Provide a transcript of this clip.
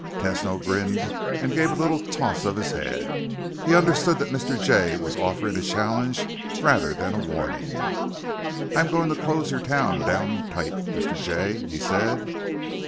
Tesno grinned and gave a little toss of his head. He understood that Mr. Jay was offering a challenge rather than a warning. "I'm going to close your town down tight, Mr. Jay," he said.